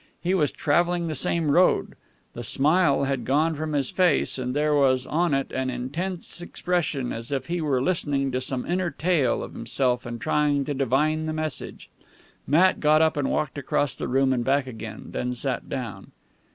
He was traveling the same road. The smile had gone from his face, and there was on it an intense expression, as if he were listening to some inner tale of himself and trying to divine the message. Matt got up and walked across the room and back again, then sat down.